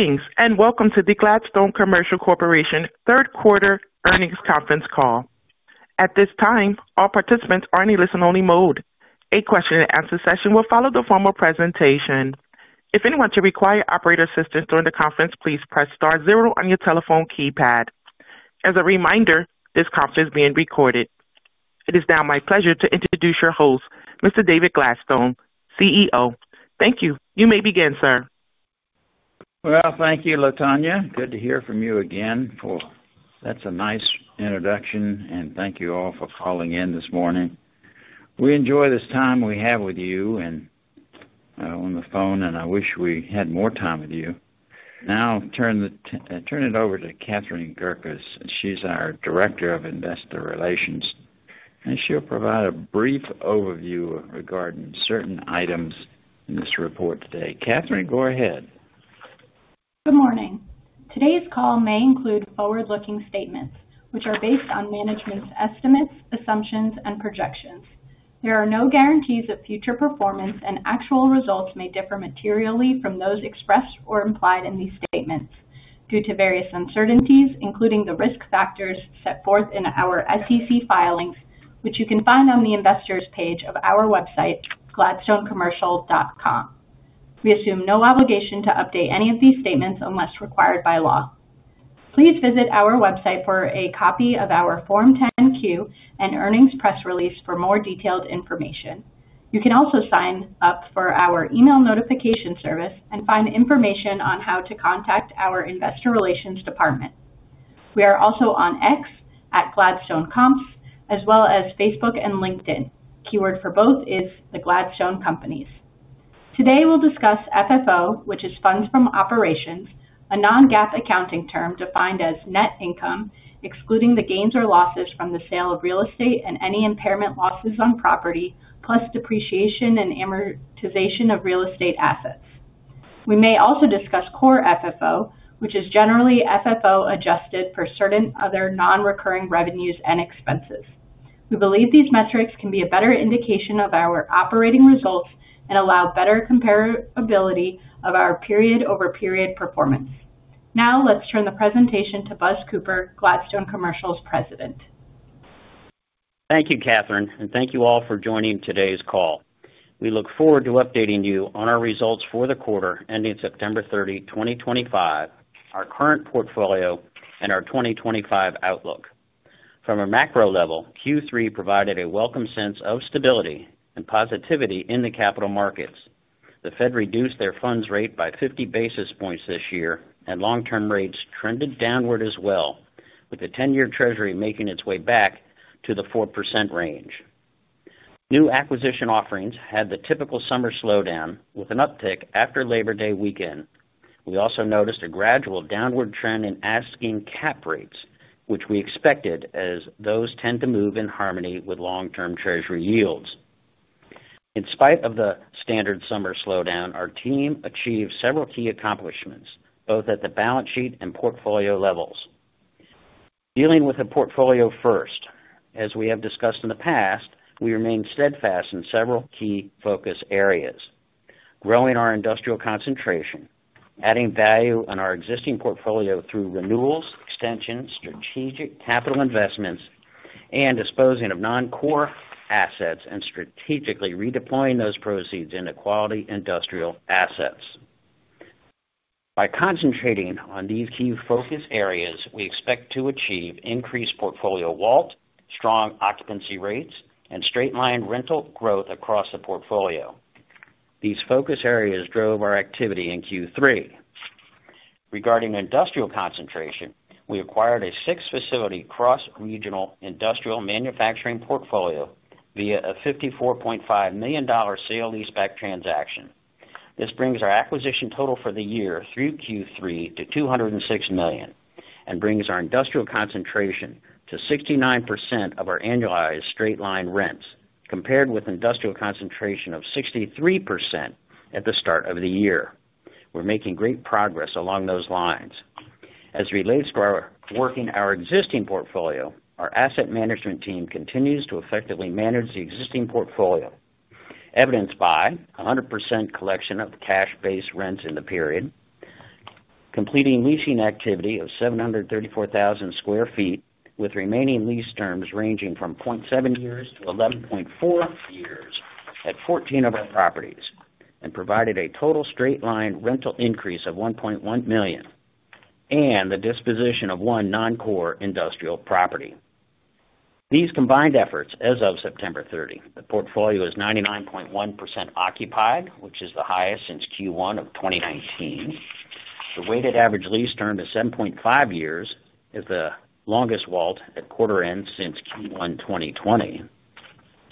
Greetings and welcome to the Gladstone Commercial Corporation third-quarter earnings conference call. At this time, all participants are in a listen-only mode. A question-and-answer session will follow the formal presentation. If anyone should require operator assistance during the conference, please press star zero on your telephone keypad. As a reminder, this conference is being recorded. It is now my pleasure to introduce your host, Mr. David Gladstone, CEO. Thank you. You may begin, sir. Thank you, LaTonya. Good to hear from you again. That is a nice introduction, and thank you all for calling in this morning. We enjoy this time we have with you and on the phone, and I wish we had more time with you. Now, I will turn it over to Katherine Gerkus. She is our Director of Investor Relations, and she will provide a brief overview regarding certain items in this report today. Katherine, go ahead. Good morning. Today's call may include forward-looking statements, which are based on management's estimates, assumptions, and projections. There are no guarantees that future performance and actual results may differ materially from those expressed or implied in these statements due to various uncertainties, including the risk factors set forth in our SEC filings, which you can find on the investors' page of our website, gladstone-commercial.com. We assume no obligation to update any of these statements unless required by law. Please visit our website for a copy of our Form 10-Q and earnings press release for more detailed information. You can also sign up for our email notification service and find information on how to contact our investor relations department. We are also on X at @GladstoneCom, as well as Facebook and LinkedIn. The keyword for both is the Gladstone Companies. Today, we'll discuss FFO, which is funds from operations, a non-GAAP accounting term defined as net income, excluding the gains or losses from the sale of real estate and any impairment losses on property, plus depreciation and amortization of real estate assets. We may also discuss Core FFO, which is generally FFO adjusted for certain other non-recurring revenues and expenses. We believe these metrics can be a better indication of our operating results and allow better comparability of our period-over-period performance. Now, let's turn the presentation to Buzz Cooper, Gladstone Commercial's President. Thank you, Katherine, and thank you all for joining today's call. We look forward to updating you on our results for the quarter ending September 30, 2025, our current portfolio, and our 2025 outlook. From a macro level, Q3 provided a welcome sense of stability and positivity in the capital markets. The Federal Reserve reduced their funds rate by 50 basis points this year, and long-term rates trended downward as well, with the 10-year Treasury making its way back to the 4% range. New acquisition offerings had the typical summer slowdown, with an uptick after Labor Day weekend. We also noticed a gradual downward trend in asking cap rates, which we expected as those tend to move in harmony with long-term Treasury yields. In spite of the standard summer slowdown, our team achieved several key accomplishments, both at the balance sheet and portfolio levels. Dealing with a portfolio first, as we have discussed in the past, we remain steadfast in several key focus areas: growing our industrial concentration, adding value on our existing portfolio through renewals, extensions, strategic capital investments, and disposing of non-core assets and strategically redeploying those proceeds into quality industrial assets. By concentrating on these key focus areas, we expect to achieve increased portfolio vault, strong occupancy rates, and straight-line rental growth across the portfolio. These focus areas drove our activity in Q3. Regarding industrial concentration, we acquired a six-facility cross-regional industrial manufacturing portfolio via a $54.5 million sale-leaseback transaction. This brings our acquisition total for the year through Q3 to $206 million and brings our industrial concentration to 69% of our annualized straight-line rents, compared with an industrial concentration of 63% at the start of the year. We're making great progress along those lines. As it relates to our work in our existing portfolio, our asset management team continues to effectively manage the existing portfolio, evidenced by a 100% collection of cash-based rents in the period. Completing leasing activity of 734,000 sq ft, with remaining lease terms ranging from 0.7 years to 11.4 years at 14 of our properties, and provided a total straight-line rental increase of $1.1 million. And the disposition of one non-core industrial property. These combined efforts, as of September 30, the portfolio is 99.1% occupied, which is the highest since Q1 of 2019. The weighted average lease term is 7.5 years, is the longest vault at quarter-end since Q1 2020.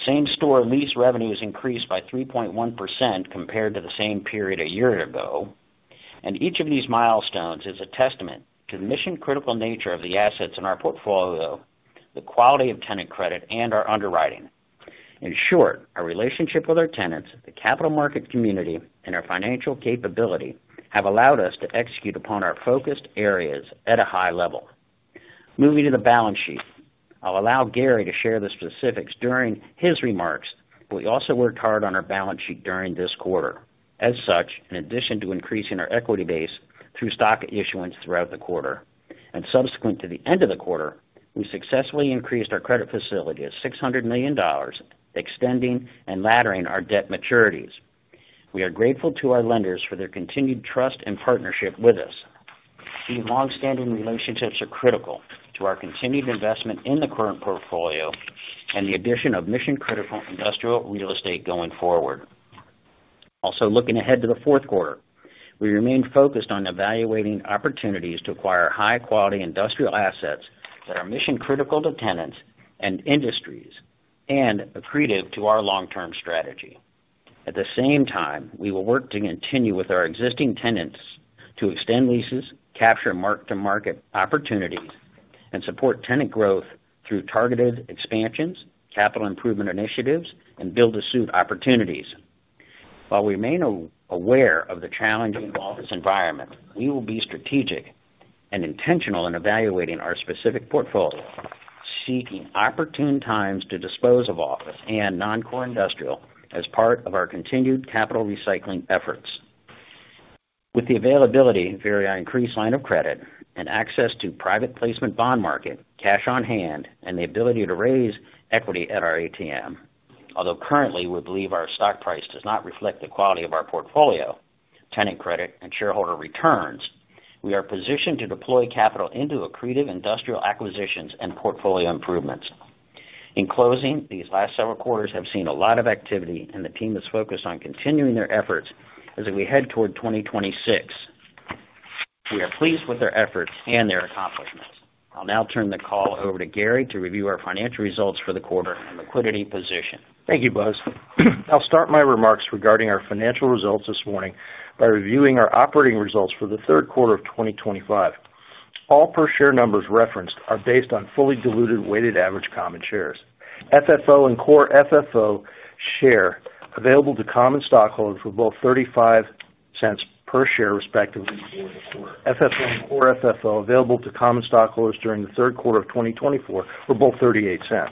Same-store lease revenue has increased by 3.1% compared to the same period a year ago. Each of these milestones is a testament to the mission-critical nature of the assets in our portfolio, the quality of tenant credit, and our underwriting. In short, our relationship with our tenants, the capital market community, and our financial capability have allowed us to execute upon our focused areas at a high level. Moving to the balance sheet, I'll allow Gary to share the specifics during his remarks. We also worked hard on our balance sheet during this quarter. As such, in addition to increasing our equity base through stock issuance throughout the quarter, and subsequent to the end of the quarter, we successfully increased our credit facility of $600 million, extending and laddering our debt maturities. We are grateful to our lenders for their continued trust and partnership with us. These long-standing relationships are critical to our continued investment in the current portfolio and the addition of mission-critical industrial real estate going forward. Also, looking ahead to the fourth quarter, we remain focused on evaluating opportunities to acquire high-quality industrial assets that are mission-critical to tenants and industries and accretive to our long-term strategy. At the same time, we will work to continue with our existing tenants to extend leases, capture mark-to-market opportunities, and support tenant growth through targeted expansions, capital improvement initiatives, and build-to-suit opportunities. While we remain aware of the challenging office environment, we will be strategic and intentional in evaluating our specific portfolio, seeking opportune times to dispose of office and non-core industrial as part of our continued capital recycling efforts. With the availability of our increased line of credit and access to private placement bond market, cash on hand, and the ability to raise equity at our ATM, although currently we believe our stock price does not reflect the quality of our portfolio, tenant credit, and shareholder returns, we are positioned to deploy capital into accretive industrial acquisitions and portfolio improvements. In closing, these last several quarters have seen a lot of activity, and the team is focused on continuing their efforts as we head toward 2026. We are pleased with their efforts and their accomplishments. I'll now turn the call over to Gary to review our financial results for the quarter and liquidity position. Thank you, Buzz. I'll start my remarks regarding our financial results this morning by reviewing our operating results for the third quarter of 2025. All per-share numbers referenced are based on fully diluted weighted average common shares. FFO and Core FFO share available to common stockholders were both $0.35 per share, respectively. FFO and Core FFO available to common stockholders during the third quarter of 2024 were both $0.38.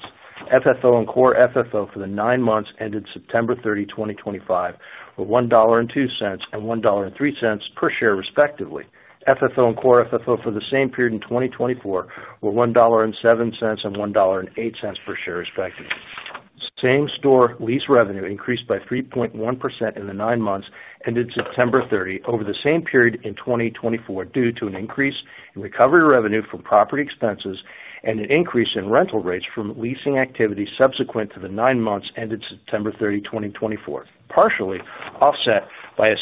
FFO and Core FFO for the nine months ended September 30, 2025, were $1.02 and $1.03 per share, respectively. FFO and Core FFO for the same period in 2024 were $1.07 and $1.08 per share, respectively. Same-store lease revenue increased by 3.1% in the nine months ended September 30 over the same period in 2024 due to an increase in recovery revenue from property expenses and an increase in rental rates from leasing activity subsequent to the nine months ended September 30, 2024, partially offset by a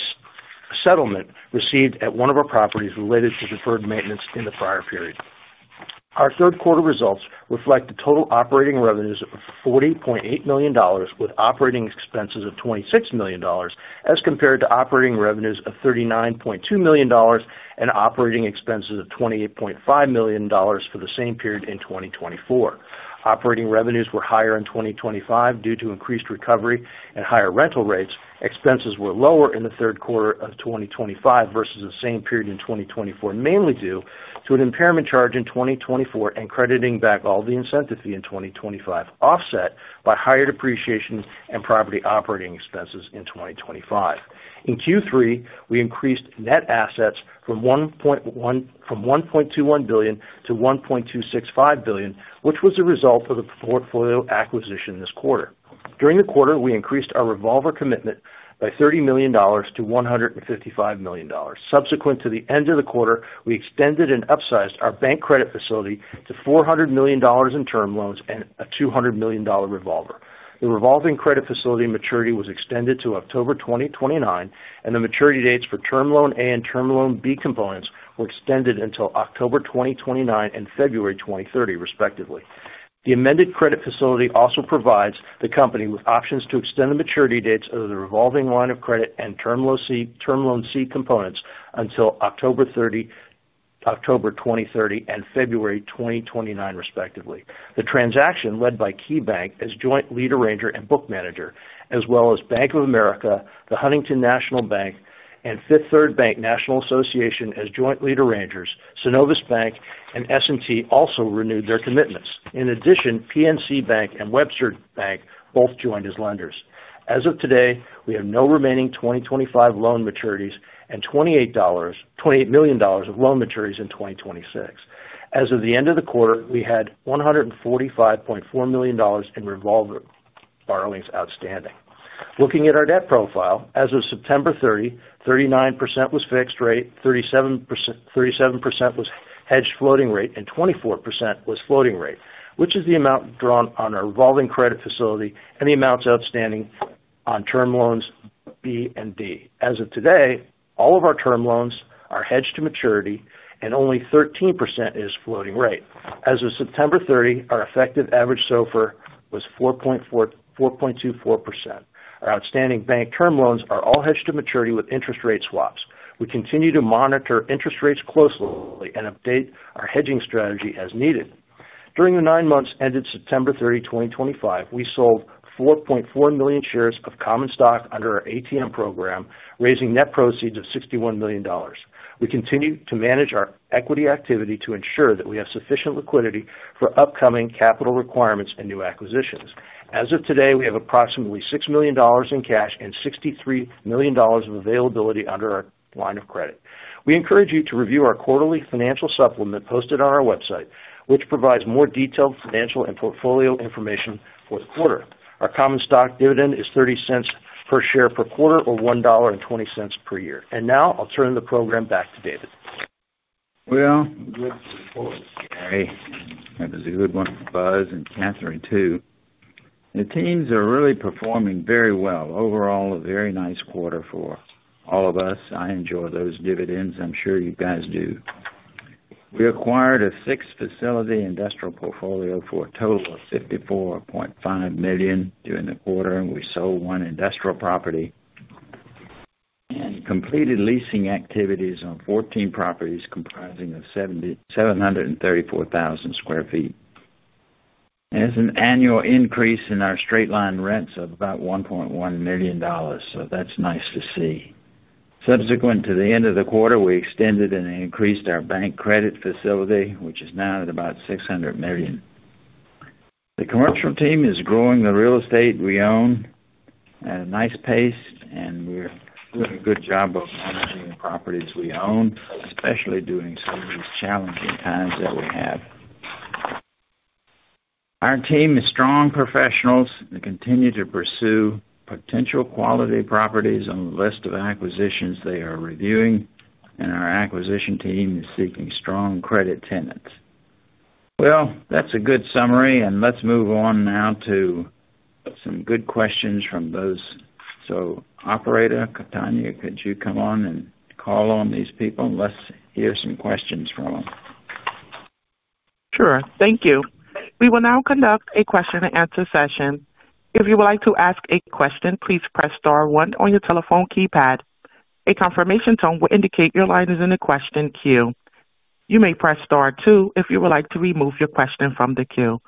settlement received at one of our properties related to deferred maintenance in the prior period. Our third-quarter results reflect total operating revenues of $40.8 million with operating expenses of $26 million as compared to operating revenues of $39.2 million and operating expenses of $28.5 million for the same period in 2024. Operating revenues were higher in 2025 due to increased recovery and higher rental rates. Expenses were lower in the third quarter of 2025 versus the same period in 2024, mainly due to an impairment charge in 2024 and crediting back all the incentive fee in 2025, offset by higher depreciation and property operating expenses in 2025. In Q3, we increased net assets from $1.21 billion to $1.265 billion, which was the result of the portfolio acquisition this quarter. During the quarter, we increased our revolver commitment by $30 million to $155 million. Subsequent to the end of the quarter, we extended and upsized our bank credit facility to $400 million in term loans and a $200 million revolver. The revolving credit facility maturity was extended to October 2029, and the maturity dates for Term Loan A and Term Loan B components were extended until October 2029 and February 2030, respectively. The amended credit facility also provides the company with options to extend the maturity dates of the revolving line of credit and Term Loan C components until October 2030 and February 2029, respectively. The transaction was led by KeyBank as joint lead arranger and book manager, as well as Bank of America, Huntington National Bank, and Fifth Third Bank as joint lead arrangers. Synovus Bank and S&T Bank also renewed their commitments. In addition, PNC Bank and Webster Bank both joined as lenders. As of today, we have no remaining 2025 loan maturities and $28 million of loan maturities in 2026. As of the end of the quarter, we had $145.4 million in revolver borrowings outstanding. Looking at our debt profile, as of September 30, 39% was fixed rate, 37%. Was hedged floating rate, and 24% was floating rate, which is the amount drawn on our revolving credit facility and the amounts outstanding on Term Loans B and D. As of today, all of our term loans are hedged to maturity, and only 13% is floating rate. As of September 30, our effective average SOFR was 4.24%. Our outstanding bank term loans are all hedged to maturity with interest rate swaps. We continue to monitor interest rates closely and update our hedging strategy as needed. During the nine months ended September 30, 2025, we sold 4.4 million shares of common stock under our ATM program, raising net proceeds of $61 million. We continue to manage our equity activity to ensure that we have sufficient liquidity for upcoming capital requirements and new acquisitions. As of today, we have approximately $6 million in cash and $63 million of availability under our line of credit. We encourage you to review our quarterly financial supplement posted on our website, which provides more detailed financial and portfolio information for the quarter. Our common stock dividend is $0.30 per share per quarter or $1.20 per year. Now I'll turn the program back to David. Good report, Gary. That was a good one for Buzz and Katherine too. The teams are really performing very well. Overall, a very nice quarter for all of us. I enjoy those dividends. I'm sure you guys do. We acquired a six-facility industrial portfolio for a total of $54.5 million during the quarter, and we sold one industrial property. We completed leasing activities on 14 properties comprising 734,000 sq ft. There is an annual increase in our straight-line rents of about $1.1 million, so that's nice to see. Subsequent to the end of the quarter, we extended and increased our bank credit facility, which is now at about $600 million. The commercial team is growing the real estate we own at a nice pace, and we're doing a good job of managing the properties we own, especially during some of these challenging times that we have. Our team is strong professionals and continues to pursue potential quality properties on the list of acquisitions they are reviewing, and our acquisition team is seeking strong credit tenants. That's a good summary, and let's move on now to some good questions from those. Operator Cottonia, could you come on and call on these people and let's hear some questions from them? Sure. Thank you. We will now conduct a question-and-answer session. If you would like to ask a question, please press Star 1 on your telephone keypad. A confirmation tone will indicate your line is in the question queue. You may press Star 2 if you would like to remove your question from the queue.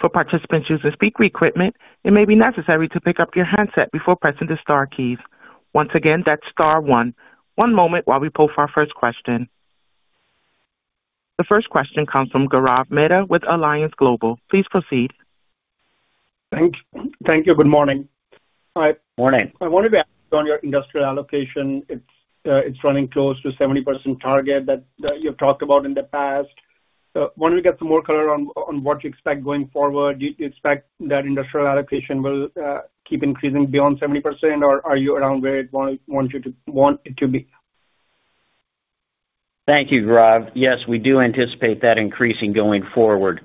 For participants using speaker equipment, it may be necessary to pick up your handset before pressing the Star keys. Once again, that's Star 1. One moment while we pull for our first question. The first question comes from Gaurav Mehta with Alliance Global. Please proceed. Thank you. Good morning. Hi. Morning. I wanted to ask you on your industrial allocation. It's running close to 70% target that you've talked about in the past. I wanted to get some more color on what you expect going forward. Do you expect that industrial allocation will keep increasing beyond 70%, or are you around where you want it to be? Thank you, Gaurav. Yes, we do anticipate that increasing going forward.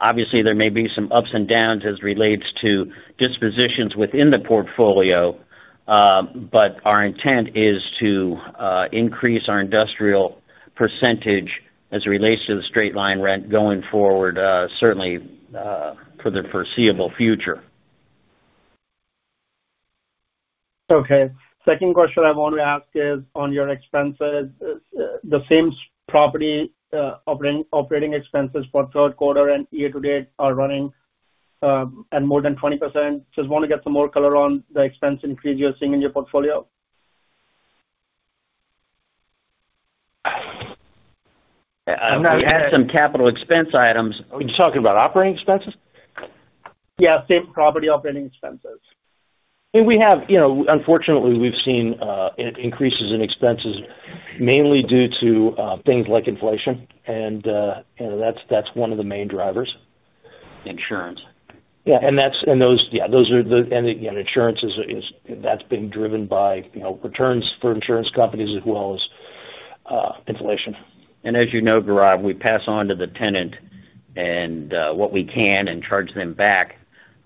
Obviously, there may be some ups and downs as it relates to dispositions within the portfolio. Our intent is to increase our industrial percentage as it relates to the straight-line rent going forward, certainly for the foreseeable future. Okay. Second question I want to ask is on your expenses. The same property operating expenses for third quarter and year-to-date are running at more than 20%. Just want to get some more color on the expense increase you're seeing in your portfolio. We had some capital expense items. Are you talking about operating expenses? Yeah, same property operating expenses. I mean, we have, unfortunately, we've seen increases in expenses mainly due to things like inflation. That's one of the main drivers. Insurance. Yeah. And those, yeah, those are the, and insurance is, that's being driven by returns for insurance companies as well as inflation. As you know, Gaurav, we pass on to the tenant what we can and charge them back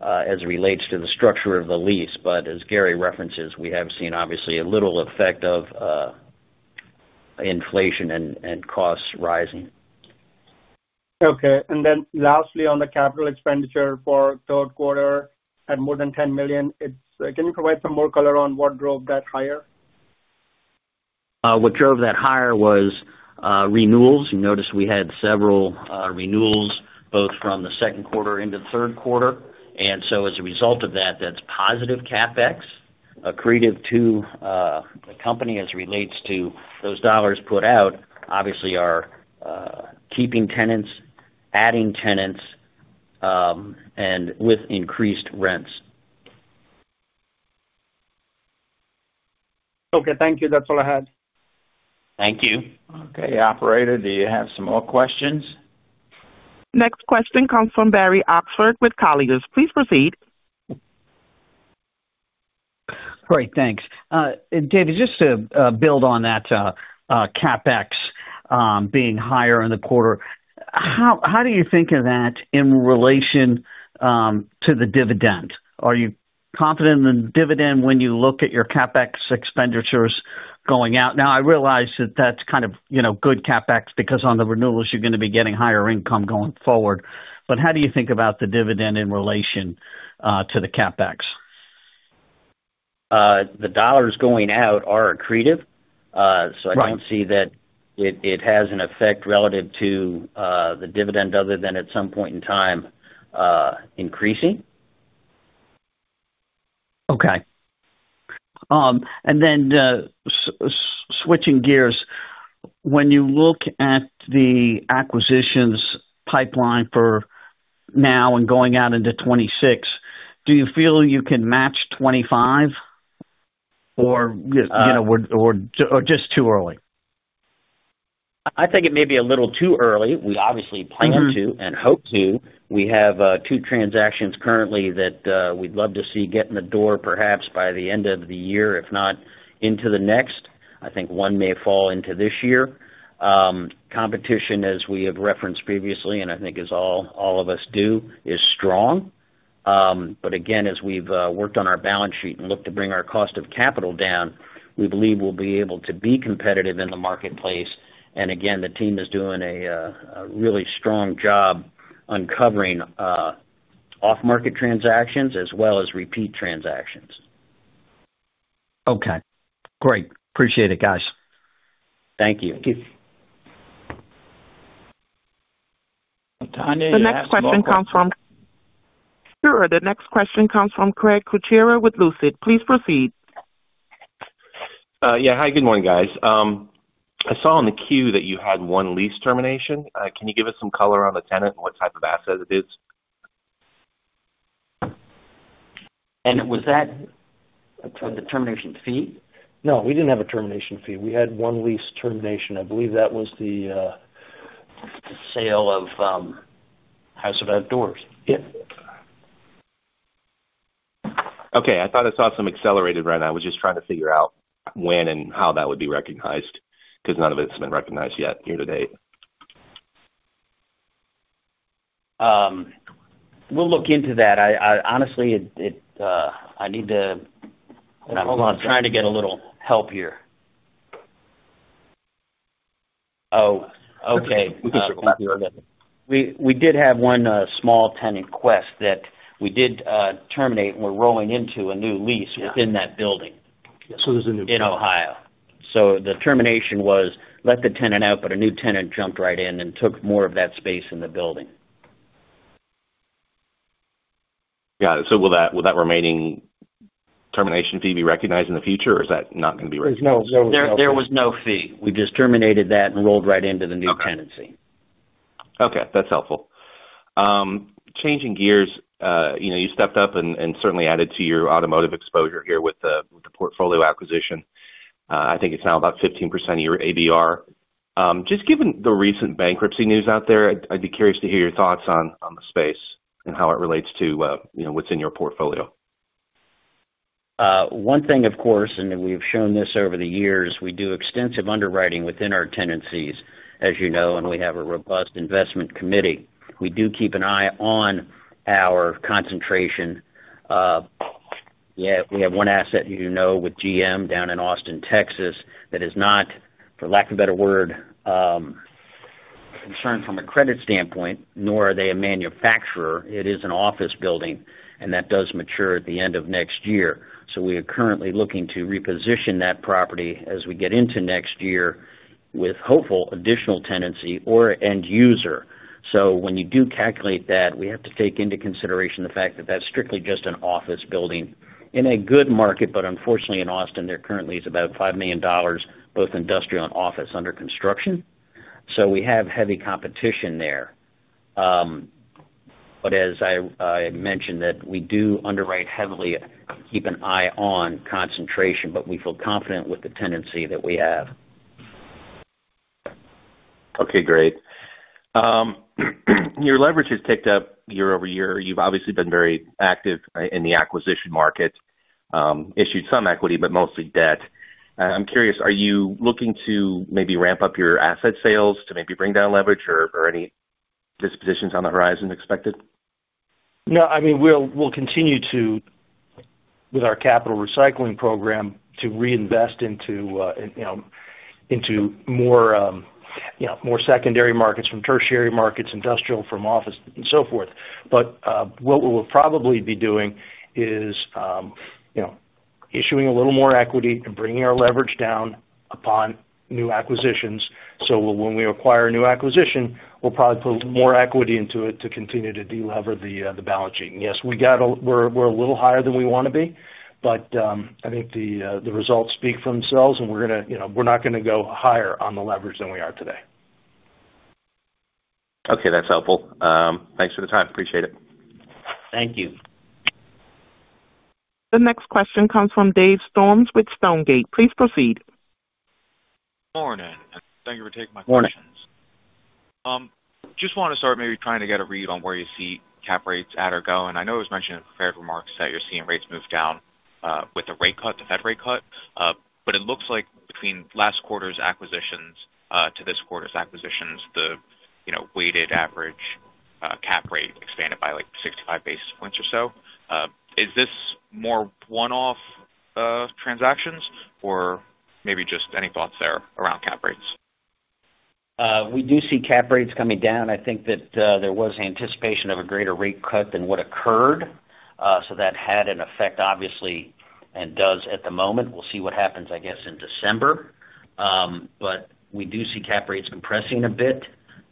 as it relates to the structure of the lease. As Gary references, we have seen obviously a little effect of inflation and costs rising. Okay. And then lastly, on the capital expenditure for third quarter at more than $10 million, can you provide some more color on what drove that higher? What drove that higher was renewals. You notice we had several renewals both from the second quarter into the third quarter. As a result of that, that's positive CapEx, accretive to the company as it relates to those dollars put out, obviously are keeping tenants, adding tenants, and with increased rents. Okay. Thank you. That's all I had. Thank you. Okay. Operator, do you have some more questions? Next question comes from Barry Oxford with Colliers. Please proceed. All right. Thanks. David, just to build on that. CapEx being higher in the quarter, how do you think of that in relation to the dividend? Are you confident in the dividend when you look at your CapEx expenditures going out? Now, I realize that that's kind of good CapEx because on the renewals, you're going to be getting higher income going forward. But how do you think about the dividend in relation to the CapEx? The dollars going out are accretive. I don't see that it has an effect relative to the dividend other than at some point in time increasing. Okay. Then, switching gears, when you look at the acquisitions pipeline for now and going out into 2026, do you feel you can match 2025, or just too early? I think it may be a little too early. We obviously plan to and hope to. We have two transactions currently that we'd love to see get in the door perhaps by the end of the year, if not into the next. I think one may fall into this year. Competition, as we have referenced previously, and I think as all of us do, is strong. Again, as we've worked on our balance sheet and looked to bring our cost of capital down, we believe we'll be able to be competitive in the marketplace. Again, the team is doing a really strong job uncovering off-market transactions as well as repeat transactions. Okay. Great. Appreciate it, guys. Thank you. Thank you. The next question comes from. Sure. The next question comes from Craig Kucera with Lucid Capital Markets. Please proceed. Yeah. Hi. Good morning, guys. I saw on the queue that you had one lease termination. Can you give us some color on the tenant and what type of asset it is? Was that a termination fee? No, we didn't have a termination fee. We had one lease termination. I believe that was the sale of House Without Doors. Yeah. Okay. I thought I saw some accelerated right now. I was just trying to figure out when and how that would be recognized because none of it's been recognized yet year-to-date. We'll look into that. Honestly, I need to. I'm trying to get a little help here. Oh, okay. We did have one small tenant request that we did terminate, and we're rolling into a new lease within that building. There's a new lease. In Ohio. The termination was, "Let the tenant out," but a new tenant jumped right in and took more of that space in the building. Got it. Will that remaining termination fee be recognized in the future, or is that not going to be recognized? There was no fee. We just terminated that and rolled right into the new tenancy. Okay. That's helpful. Changing gears, you stepped up and certainly added to your automotive exposure here with the portfolio acquisition. I think it's now about 15% of your ABR. Just given the recent bankruptcy news out there, I'd be curious to hear your thoughts on the space and how it relates to what's in your portfolio. One thing, of course, and we've shown this over the years, we do extensive underwriting within our tenancies, as you know, and we have a robust investment committee. We do keep an eye on our concentration. Yeah, we have one asset, as you know, with GM down in Austin, Texas, that is not, for lack of a better word, concerned from a credit standpoint, nor are they a manufacturer. It is an office building, and that does mature at the end of next year. We are currently looking to reposition that property as we get into next year with hopeful additional tenancy or end user. When you do calculate that, we have to take into consideration the fact that that's strictly just an office building in a good market, but unfortunately, in Austin, there currently is about $5 million both industrial and office under construction. We have heavy competition there. As I mentioned, we do underwrite heavily, keep an eye on concentration, but we feel confident with the tenancy that we have. Okay. Great. Your leverage has ticked up year over year. You've obviously been very active in the acquisition market. Issued some equity, but mostly debt. I'm curious, are you looking to maybe ramp up your asset sales to maybe bring down leverage or any dispositions on the horizon expected? No. I mean, we'll continue to, with our capital recycling program, to reinvest into more secondary markets from tertiary markets, industrial from office, and so forth. What we'll probably be doing is issuing a little more equity and bringing our leverage down upon new acquisitions. When we acquire a new acquisition, we'll probably put more equity into it to continue to deleverage the balance sheet. Yes, we're a little higher than we want to be, but I think the results speak for themselves, and we're not going to go higher on the leverage than we are today. Okay. That's helpful. Thanks for the time. Appreciate it. Thank you. The next question comes from Dave Storms with Stonegate. Please proceed. Morning. Thank you for taking my questions. Just want to start maybe trying to get a read on where you see cap rates at or go. I know it was mentioned in prepared remarks that you're seeing rates move down with the rate cut, the Fed rate cut. It looks like between last quarter's acquisitions to this quarter's acquisitions, the weighted average cap rate expanded by like 65 basis points or so. Is this more one-off transactions or maybe just any thoughts there around cap rates? We do see cap rates coming down. I think that there was anticipation of a greater rate cut than what occurred. That had an effect, obviously, and does at the moment. We'll see what happens, I guess, in December. We do see cap rates compressing a bit.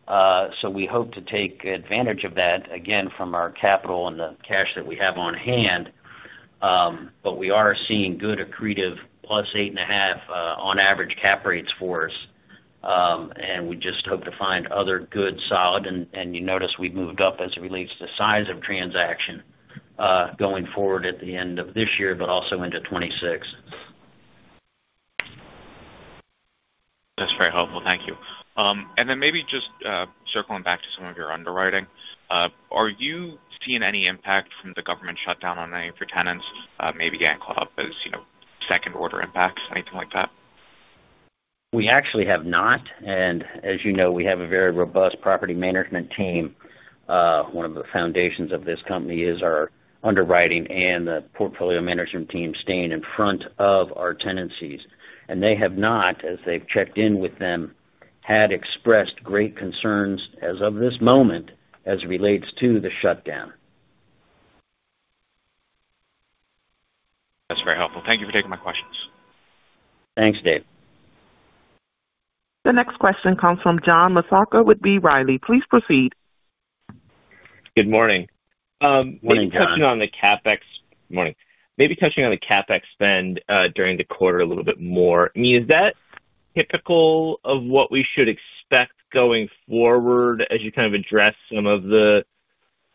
We hope to take advantage of that, again, from our capital and the cash that we have on hand. We are seeing good accretive +8.5 % on average cap rates for us. We just hope to find other good solid. You notice we've moved up as it relates to size of transaction going forward at the end of this year, but also into 2026. That's very helpful. Thank you. Maybe just circling back to some of your underwriting, are you seeing any impact from the government shutdown on any of your tenants, maybe getting caught up as second-order impacts, anything like that? We actually have not. As you know, we have a very robust property management team. One of the foundations of this company is our underwriting and the portfolio management team staying in front of our tenancies. They have not, as they've checked in with them, had expressed great concerns as of this moment as it relates to the shutdown. That's very helpful. Thank you for taking my questions. Thanks, Dave. The next question comes from John Massocca with B. Riley. Please proceed. Good morning. Morning, Gaurav. We're touching on the CapEx morning. Maybe touching on the CapEx spend during the quarter a little bit more. I mean, is that typical of what we should expect going forward as you kind of address some of the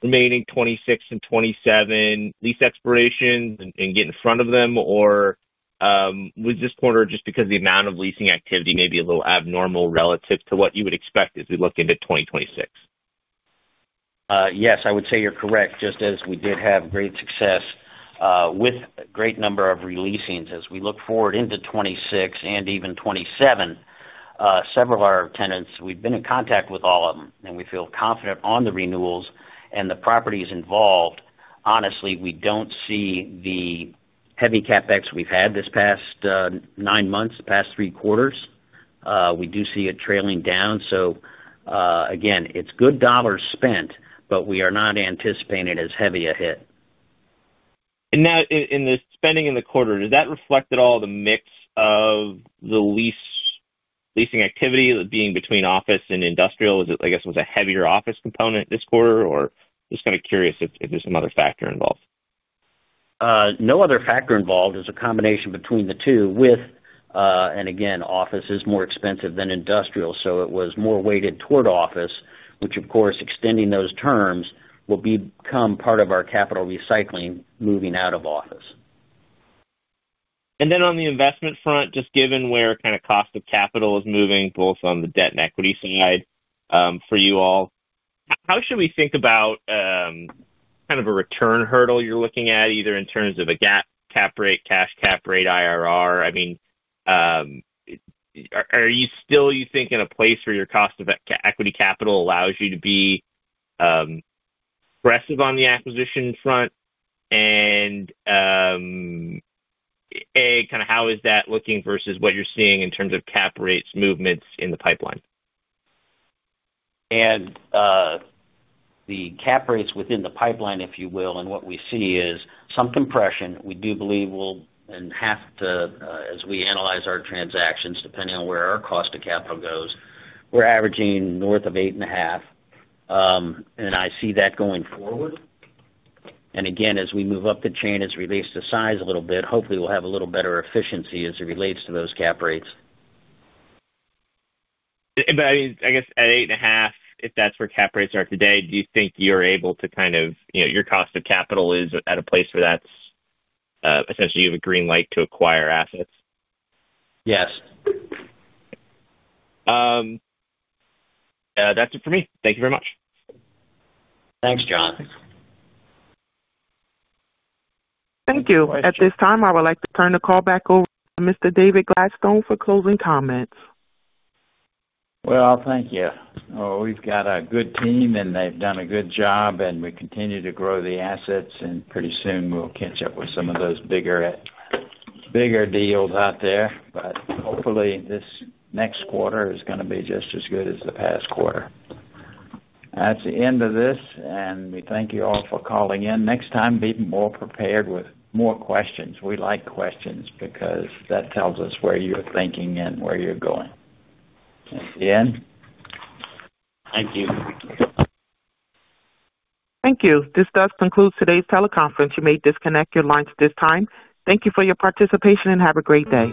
remaining 2026 and 2027 lease expirations and get in front of them? Or was this quarter just because the amount of leasing activity may be a little abnormal relative to what you would expect as we look into 2026? Yes, I would say you're correct. Just as we did have great success with a great number of releases as we look forward into 2026 and even 2027. Several of our tenants, we've been in contact with all of them, and we feel confident on the renewals and the properties involved. Honestly, we don't see the heavy CapEx we've had this past nine months, past three quarters. We do see it trailing down. It is good dollars spent, but we are not anticipating as heavy a hit. Now in the spending in the quarter, does that reflect at all the mix of the leasing activity being between office and industrial? I guess it was a heavier office component this quarter, or just kind of curious if there's some other factor involved. No other factor involved. It's a combination between the two. Again, office is more expensive than industrial. It was more weighted toward office, which, of course, extending those terms will become part of our capital recycling moving out of office. On the investment front, just given where kind of cost of capital is moving both on the debt and equity side for you all, how should we think about kind of a return hurdle you're looking at, either in terms of a cap rate, cash cap rate, IRR? I mean, are you still, you think, in a place where your cost of equity capital allows you to be aggressive on the acquisition front? A, kind of how is that looking versus what you're seeing in terms of cap rates movements in the pipeline? The cap rates within the pipeline, if you will, and what we see is some compression. We do believe we'll have to, as we analyze our transactions, depending on where our cost of capital goes, we're averaging north of 8.5%. I see that going forward. Again, as we move up the chain as it relates to size a little bit, hopefully, we'll have a little better efficiency as it relates to those cap rates. I mean, I guess at 8.5, if that's where cap rates are today, do you think you're able to kind of your cost of capital is at a place where that's—essentially you have a green light to acquire assets? Yes. That's it for me. Thank you very much. Thanks, John. Thank you. At this time, I would like to turn the call back over to Mr. David Gladstone for closing comments. Thank you. We've got a good team, and they've done a good job, and we continue to grow the assets. Pretty soon, we'll catch up with some of those bigger deals out there. Hopefully, this next quarter is going to be just as good as the past quarter. That's the end of this, and we thank you all for calling in. Next time, be more prepared with more questions. We like questions because that tells us where you're thinking and where you're going. That's the end. Thank you. Thank you. This does conclude today's teleconference. You may disconnect your lines at this time. Thank you for your participation and have a great day.